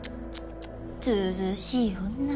ずうずうしい女。